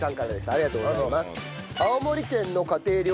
ありがとうございます。